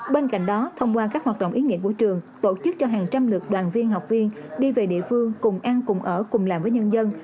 bên cạnh đó thông qua các hoạt động ý nghĩa của trường tổ chức cho hàng trăm lượt đoàn viên học viên đi về địa phương cùng ăn cùng ở cùng làm với nhân dân